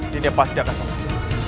dinda pasti akan selamat